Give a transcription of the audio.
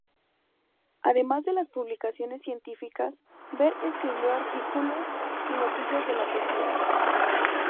Además de las publicaciones científicas, Behr escribió artículos y noticias de la poesía.